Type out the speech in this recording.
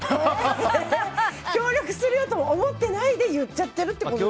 協力するよとも思ってないで言っちゃってるってことですか。